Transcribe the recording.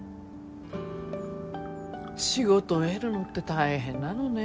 仕事を得るのって大変なのね。